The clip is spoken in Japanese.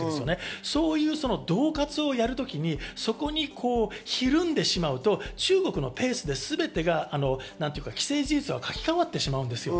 そういう恫喝をやる時にそこにひるんでしまうと中国のペースですべて既成事実が書き変わってしまう。